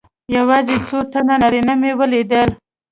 یوازې څو تنه نارینه مې ولیدل.